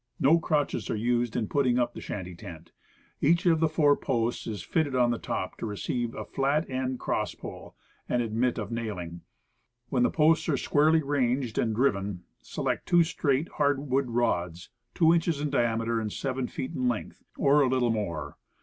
No crotches are used in putting up the shanty tent. Each of the four posts are fitted on the top to receive a flat ended cross pole, and admit of nailing. When the posts are squarely ranged and driven, select two straight, hard wood rods, 2 inches in diameter, and 7 feet in length or a little more.